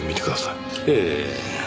ええ。